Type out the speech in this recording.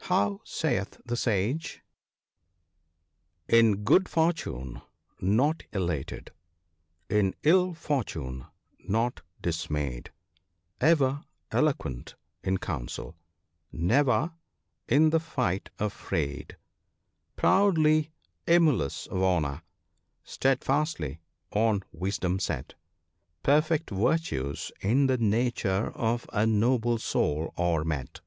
How saith the sage ? THE WINNING OF FRIENDS. 27 " In good fortune not elated, in ill fortune not dismayed, Ever eloquent in council, never in the fight affrayed — Proudly emulous of honour, stedfastly on wisdom set ; Perfect virtues in the nature of a noble soul are met.